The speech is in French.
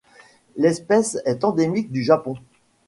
L'espèce est endémique du Japon.